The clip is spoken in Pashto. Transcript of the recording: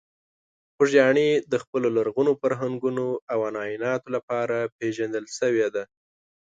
خوږیاڼي د خپلو لرغونو فرهنګونو او عنعناتو لپاره پېژندل شوې ده.